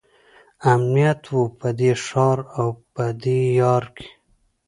امنیت وو په دې ښار او دې دیار کې.